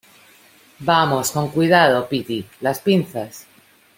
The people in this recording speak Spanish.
vamos, con cuidado. piti , las pinzas .